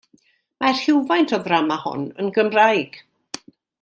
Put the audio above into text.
Mae rhywfaint o'r ddrama hon yn Gymraeg.